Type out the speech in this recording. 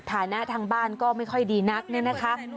ฐานะทางบ้านก็ไม่ค่อยดีนักเนี่ยนะคะ